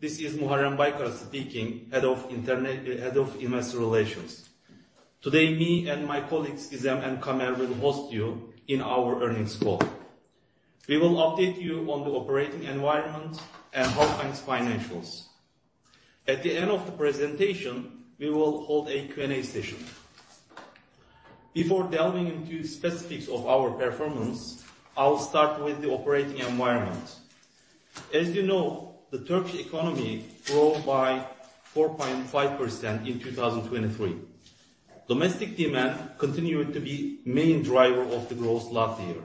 This is Muharrem Baykara speaking, Head of Investor Relations. Today, me and my colleagues, Gizem and Kamer, will host you in our earnings call. We will update you on the operating environment and Halkbank's financials. At the end of the presentation, we will hold a Q&A session. Before delving into specifics of our performance, I'll start with the operating environment. As you know, the Turkish economy grew by 4.5% in 2023. Domestic demand continued to be main driver of the growth last year.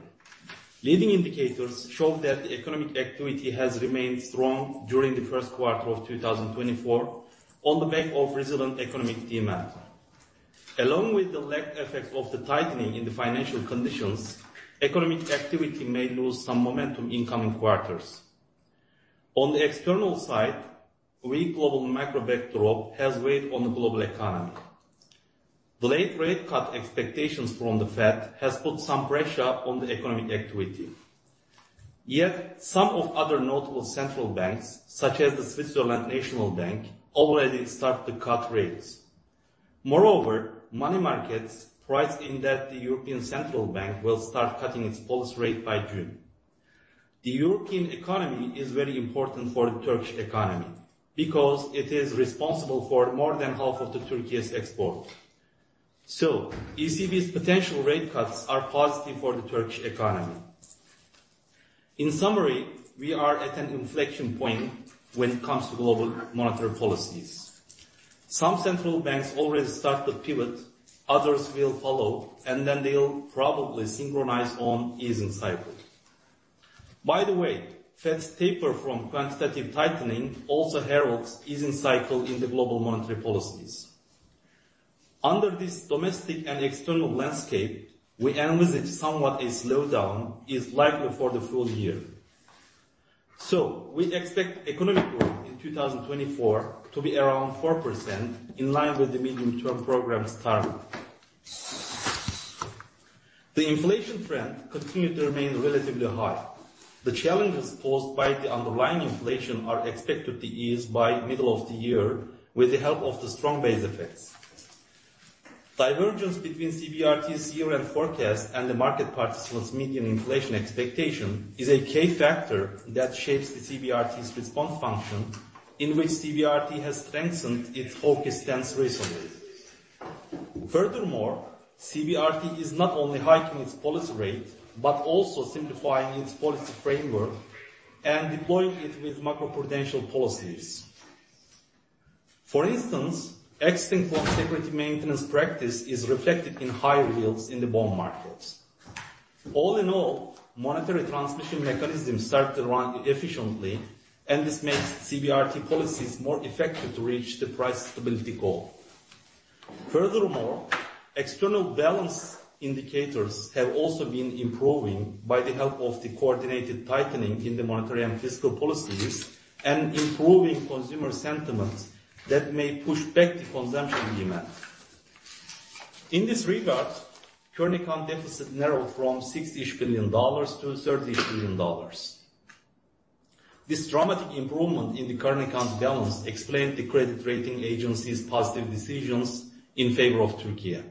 Leading indicators show that the economic activity has remained strong during the Q1 of 2024 on the back of resilient economic demand. Along with the lagged effect of the tightening in the financial conditions, economic activity may lose some momentum in coming quarters. On the external side, weak global macro backdrop has weighed on the global economy. Delayed rate cut expectations from the Fed has put some pressure on the economic activity, yet some other notable central banks, such as the Swiss National Bank, already start to cut rates. Moreover, money markets price in that the European Central Bank will start cutting its policy rate by June. The European economy is very important for the Turkish economy because it is responsible for more than half of Türkiye's exports. So ECB's potential rate cuts are positive for the Turkish economy. In summary, we are at an inflection point when it comes to global monetary policies. Some central banks already start to pivot, others will follow, and then they'll probably synchronize on easing cycle. By the way, Fed's taper from quantitative tightening also heralds easing cycle in the global monetary policies. Under this domestic and external landscape, we envisage somewhat a slowdown is likely for the full year. So we expect economic growth in 2024 to be around 4% in line with the Medium Term Program's target. The inflation trend continued to remain relatively high. The challenges posed by the underlying inflation are expected to ease by middle of the year with the help of the strong base effects. Divergence between CBRT's year-end forecast and the market participants' median inflation expectation is a key factor that shapes the CBRT's response function, in which CBRT has strengthened its focus stance recently. Furthermore, CBRT is not only hiking its policy rate, but also simplifying its policy framework and deploying it with macro-prudential policies. For instance, exiting from security maintenance practice is reflected in higher yields in the bond markets. All in all, monetary transmission mechanisms start to run efficiently, and this makes CBRT policies more effective to reach the price stability goal. Furthermore, external balance indicators have also been improving by the help of the coordinated tightening in the monetary and fiscal policies and improving consumer sentiments that may push back the consumption demand. In this regard, current account deficit narrowed from $6-ish billion to $30 billion. This dramatic improvement in the current account balance explained the credit rating agencies' positive decisions in favor of Türkiye.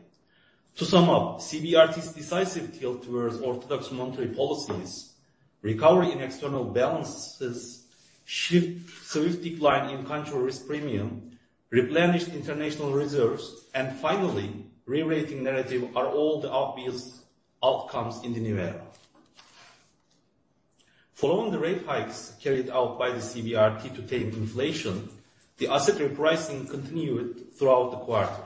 To sum up, CBRT's decisive tilt towards orthodox monetary policies, recovery in external balances, shift swift decline in country risk premium, replenished international reserves, and finally, re-rating narrative are all the obvious outcomes in the new era. Following the rate hikes carried out by the CBRT to tame inflation, the asset repricing continued throughout the quarter.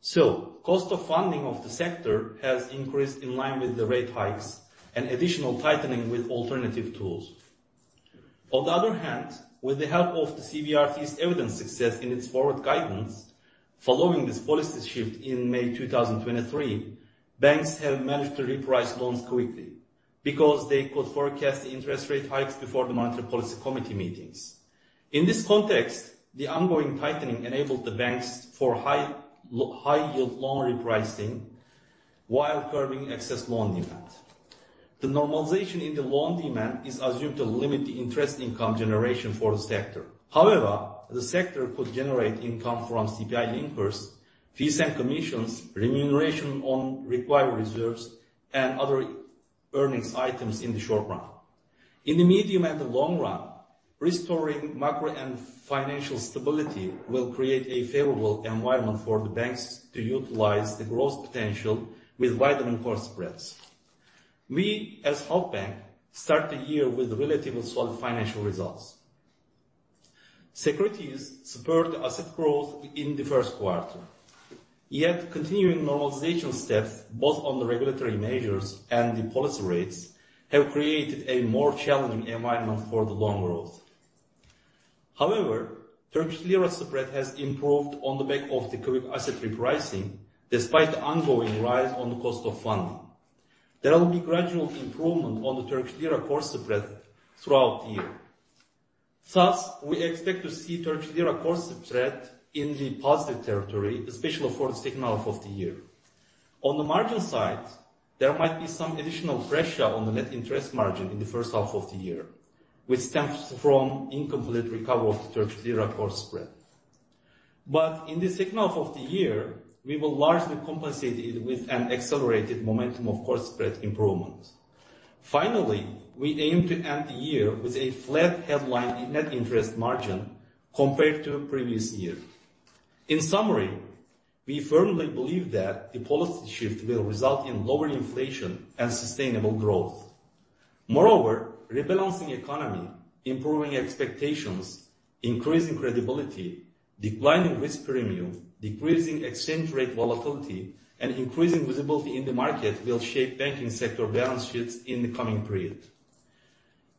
So cost of funding of the sector has increased in line with the rate hikes and additional tightening with alternative tools. On the other hand, with the help of the CBRT's evident success in its forward guidance, following this policy shift in May 2023, banks have managed to reprice loans quickly because they could forecast the interest rate hikes before the Monetary Policy Committee meetings. In this context, the ongoing tightening enabled the banks for high-yield loan repricing while curbing excess loan demand. The normalization in the loan demand is assumed to limit the interest income generation for the sector. However, the sector could generate income from CPI linkers, fees and commissions, remuneration on required reserves, and other earnings items in the short run. In the medium and the long run, restoring macro and financial stability will create a favorable environment for the banks to utilize the growth potential with widening currency spreads. We, as Halkbank, start the year with relatively solid financial results. Securities spurred asset growth in the Q1, yet continuing normalization steps, both on the regulatory measures and the policy rates, have created a more challenging environment for the loan growth. However, Turkish Lira spread has improved on the back of the quick asset repricing, despite the ongoing rise on the cost of funding. There will be gradual improvement on the Turkish Lira currency spread throughout the year. Thus, we expect to see Turkish Lira core spread in the positive territory, especially for the second half of the year. On the margin side, there might be some additional pressure on the net interest margin in the first half of the year, which stems from incomplete recovery of the Turkish Lira core spread. But in the second half of the year, we will largely compensate it with an accelerated momentum of core spread improvements. Finally, we aim to end the year with a flat headline in net interest margin compared to previous year. In summary, we firmly believe that the policy shift will result in lower inflation and sustainable growth. Moreover, rebalancing economy, improving expectations, increasing credibility, declining risk premium, decreasing exchange rate volatility, and increasing visibility in the market will shape banking sector balance sheets in the coming period.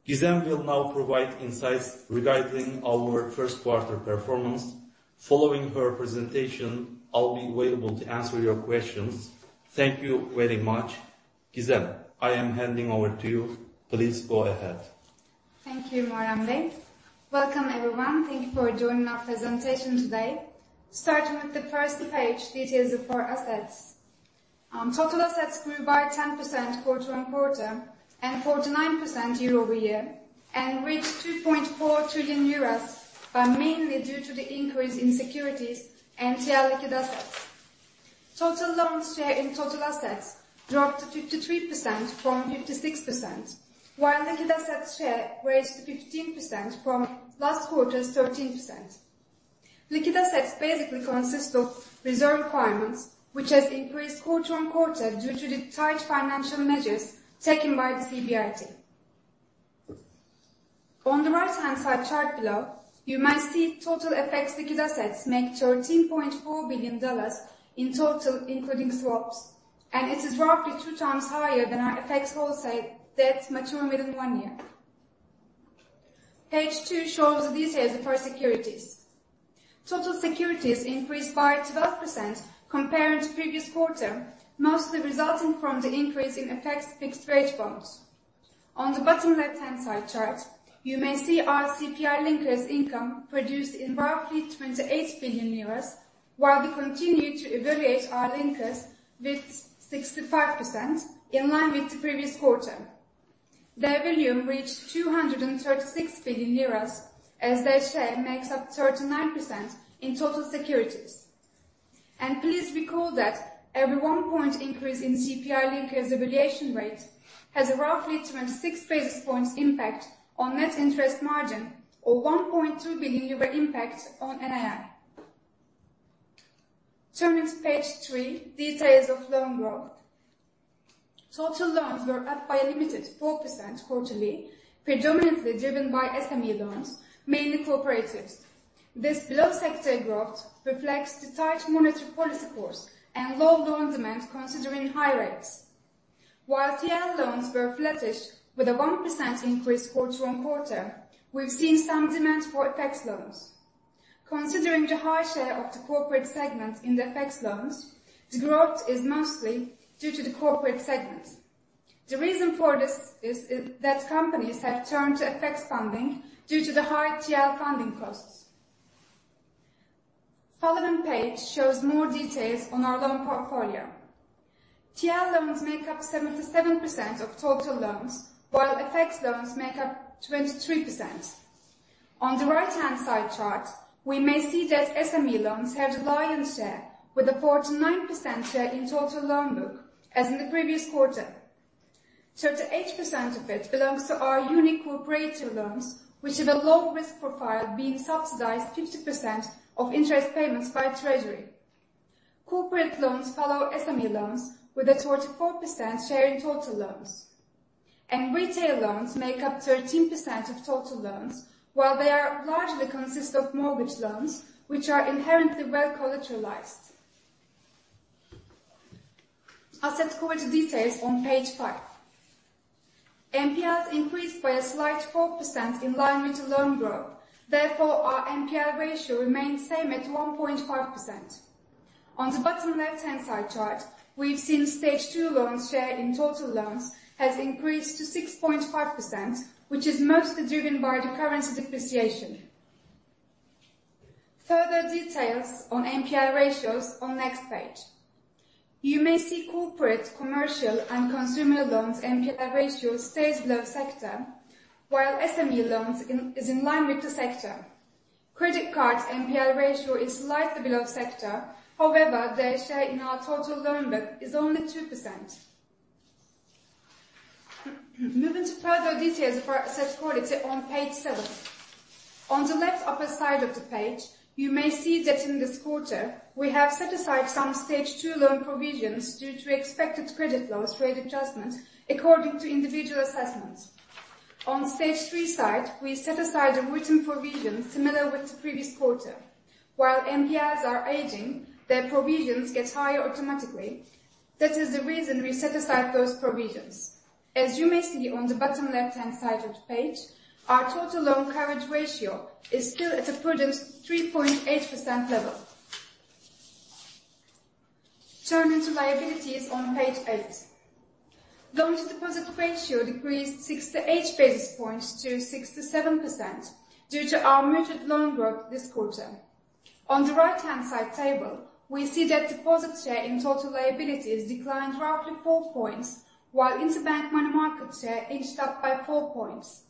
Gizem will now provide insights regarding our Q1 performance. Following her presentation, I'll be available to answer your questions. Thank you very much. Gizem, I am handing over to you. Please go ahead. Thank you, Muharrem Baykara. Welcome, everyone. Thank you for joining our presentation today. Starting with the first page, details of our assets. Total assets grew by 10% quarter-over-quarter and 49% year-over-year, and reached 2.4 trillion euros, but mainly due to the increase in securities and TL liquid assets. Total loans share in total assets dropped to 53% from 56%, while liquid assets share rose to 15% from last quarter's 13%. Liquid assets basically consist of reserve requirements, which has increased quarter-over-quarter due to the tight financial measures taken by the CBRT. On the right-hand side chart below, you may see total FX liquid assets make $13.4 billion in total, including swaps, and it is roughly two times higher than our FX wholesale debts mature within one year. Page two shows the details of our securities. Total securities increased by 12% compared to previous quarter, mostly resulting from the increase in FX fixed rate bonds. On the bottom left-hand side chart, you may see our CPI-linked lease income produced in roughly TRY 28 billion, while we continue to evaluate our linkers with 65% in line with the previous quarter. Their volume reached 236 billion euros, as their share makes up 39% in total securities. And please recall that every 1-point increase in CPI linkers evaluation rate has a roughly 26 basis points impact on net interest margin or 1.2 billion euro impact on NII. Turning to page three, details of loan growth. Total loans were up by a limited 4% quarterly, predominantly driven by SME loans, mainly cooperatives. This below-sector growth reflects the tight monetary policy course and low loan demand considering high rates. While TL loans were flattish with a 1% increase quarter on quarter, we've seen some demand for FX loans. Considering the high share of the corporate segment in the FX loans, the growth is mostly due to the corporate segment. The reason for this is that companies have turned to FX funding due to the high TL funding costs. Following page shows more details on our loan portfolio. TL loans make up 77% of total loans, while FX loans make up 23%. On the right-hand side chart, we may see that SME loans have the lion's share with a 49% share in total loan book, as in the previous quarter. 38% of it belongs to our unique cooperative loans, which have a low risk profile being subsidized 50% of interest payments by Treasury. Corporate loans follow SME loans with a 44% share in total loans, and retail loans make up 13% of total loans, while they are largely consist of mortgage loans, which are inherently well collateralized. Asset quality details on page 5. NPLs increased by a slight 4% in line with the loan growth. Therefore, our NPL ratio remains same at 1.5%. On the bottom left-hand side chart, we've seen stage two loans share in total loans has increased to 6.5%, which is mostly driven by the currency depreciation. Further details on NPL ratios on next page. You may see corporate, commercial, and consumer loans' NPL ratio stays below sector, while SME loans is in line with the sector. Credit cards' NPL ratio is slightly below sector. However, their share in our total loan book is only 2%. Moving to further details of our asset quality on page 7. On the left upper side of the page, you may see that in this quarter, we have set aside some stage 2 loan provisions due to expected credit loss rate adjustment according to individual assessments. On stage 3 side, we set aside a written provision similar with the previous quarter. While NPLs are aging, their provisions get higher automatically. That is the reason we set aside those provisions. As you may see on the bottom left-hand side of the page, our total loan coverage ratio is still at a prudent 3.8% level. Turning to liabilities on page 8. Loan to deposit ratio decreased 68 basis points to 67%, due to our muted loan growth this quarter. On the right-hand side table, we see that deposit share in total liabilities declined roughly 4 points, while interbank money market share inched up by 4 points.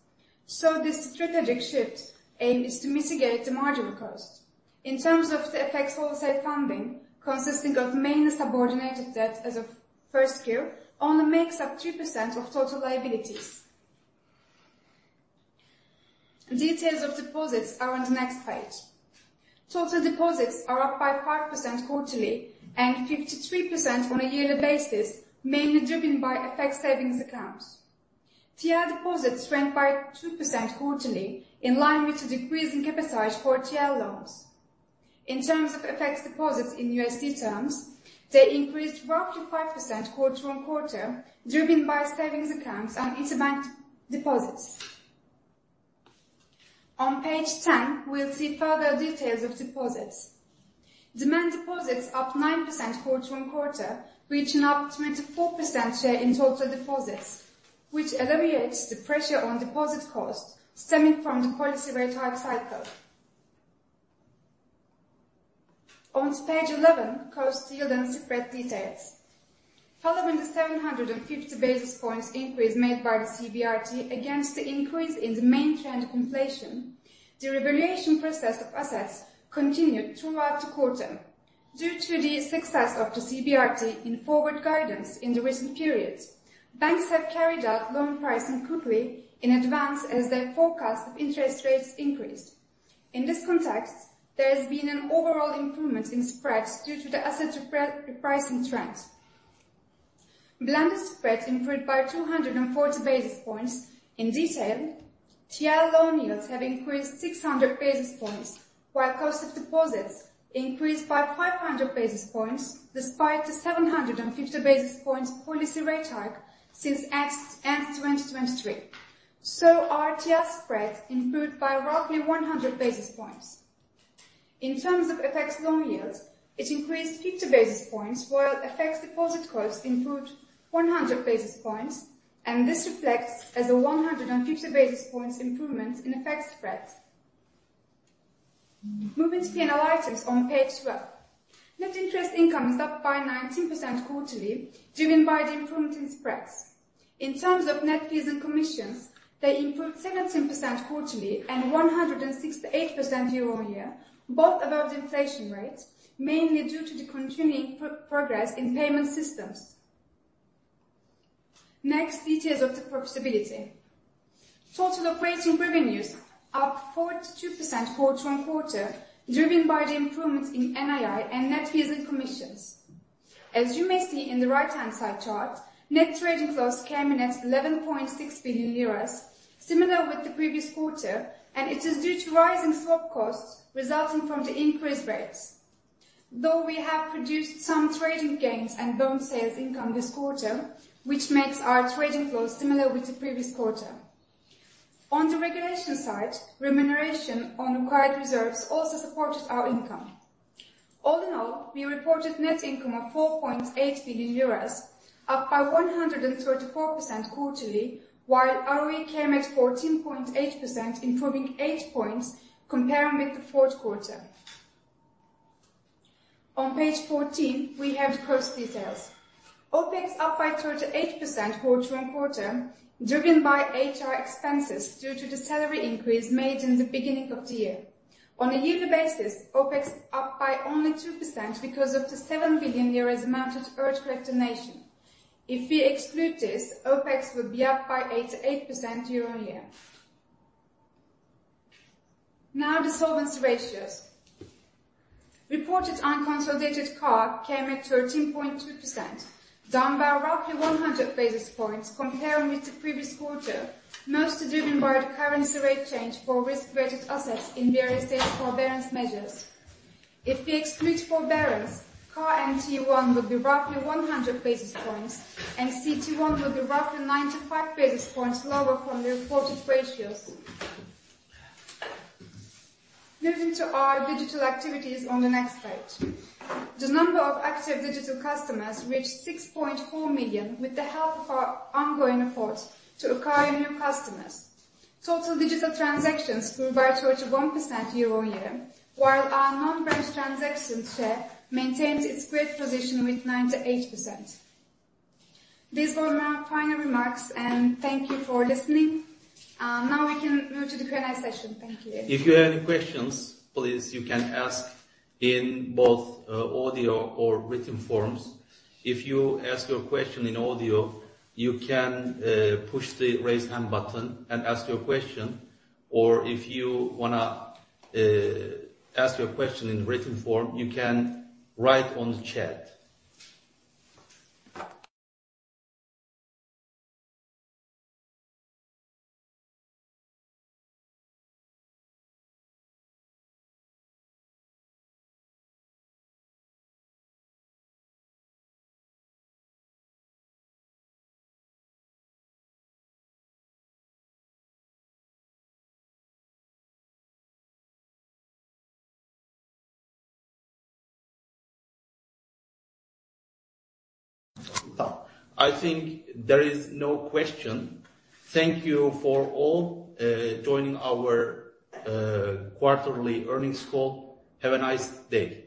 So this strategic shift aim is to mitigate the marginal cost. In terms of the effects, wholesale funding, consisting of mainly subordinated debt as of first Q, only makes up 3% of total liabilities. Details of deposits are on the next page. Total deposits are up by 5% quarterly and 53% on a yearly basis, mainly driven by FX savings accounts. TL deposits shrank by 2% quarterly, in line with the decrease in appetite for TL loans. In terms of effects deposits in USD terms, they increased roughly 5% quarter-on-quarter, driven by savings accounts and interbank deposits. On page 10, we'll see further details of deposits. Demand deposits up 9% quarter-on-quarter, reaching 24% share in total deposits, which alleviates the pressure on deposit costs stemming from the policy rate hike cycle. On to page 11, cost, yield, and spread details. Following the 750 basis points increase made by the CBRT against the increase in the main trend completion, the revaluation process of assets continued throughout the quarter. Due to the success of the CBRT in forward guidance in the recent periods, banks have carried out loan pricing quickly in advance as their forecast of interest rates increase. In this context, there has been an overall improvement in spreads due to the asset repricing trend. Blended spread improved by 240 basis points. In detail, TL loan yields have increased 600 basis points, while cost of deposits increased by 500 basis points, despite the 750 basis points policy rate hike since end 2023. So our TL spreads improved by roughly 100 basis points. In terms of FX loan yields, it increased 50 basis points, while FX deposit costs improved 100 basis points, and this reflects as a 150 basis points improvement in FX spread. Moving to P&L items on page 12. Net interest income is up by 19% quarterly, driven by the improvement in spreads. In terms of net fees and commissions, they improved 17% quarterly and 168% year-on-year, both above the inflation rate, mainly due to the continuing progress in payment systems. Next, details of the profitability. Total operating revenues up 42% quarter-on-quarter, driven by the improvement in NII and net fees and commissions. As you may see in the right-hand side chart, net trading costs came in at TRY 11.6 billion, similar with the previous quarter, and it is due to rising swap costs resulting from the increased rates. Though we have produced some trading gains and loan sales income this quarter, which makes our trading flow similar with the previous quarter. On the regulation side, remuneration on required reserves also supported our income. All in all, we reported net income of 4.8 billion euros, up by 134% quarterly, while ROE came at 14.8%, improving 8 points comparing with the Q4. On page 14, we have the cost details. OpEx up by 38% quarter-over-quarter, driven by HR expenses due to the salary increase made in the beginning of the year. On a yearly basis, OpEx up by only 2% because of the 7 billion euros amount to earthquake donation. If we exclude this, OpEx would be up by 88% year-on-year. Now, the solvency ratios. Reported unconsolidated CAR came at 13.2%, down by roughly 100 basis points comparing with the previous quarter, mostly driven by the currency rate change for risk-weighted assets in various states forbearance measures. If we exclude forbearance, CAR and T1 will be roughly 100 basis points, and CT1 will be roughly 95 basis points lower from the reported ratios. Moving to our digital activities on the next page. The number of active digital customers reached 6.4 million, with the help of our ongoing efforts to acquire new customers. Total digital transactions grew by 31% year-over-year, while our non-branch transaction share maintains its great position with 98%. These were my final remarks, and thank you for listening. Now we can move to the Q&A session. Thank you. If you have any questions, please, you can ask in both audio or written forms. If you ask your question in audio, you can push the raise hand button and ask your question. Or if you wanna ask your question in written form, you can write on the chat. I think there is no question. Thank you for all joining our quarterly earnings call. Have a nice day!